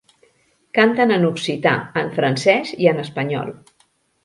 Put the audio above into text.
Canten en occità, en francès i en espanyol.